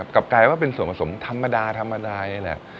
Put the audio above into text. กลับกลายว่าเป็นส่วนผสมธรรมดาธรรมดาอย่างนี้แหละ